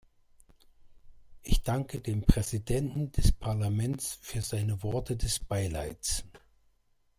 Ich danke dem Präsidenten des Parlaments für seine Worte des Beileids.